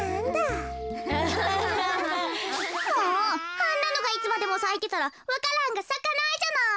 あんなのがいつまでもさいてたらわか蘭がさかないじゃない。